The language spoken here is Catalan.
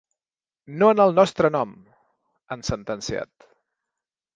No en el nostre nom!, han sentenciat.